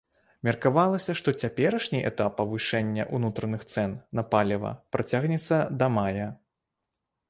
Меркавалася, што цяперашні этап павышэння ўнутраных цэн на паліва працягнецца да мая.